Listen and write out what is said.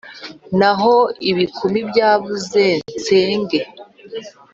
Naho ibikumi byabuze senge,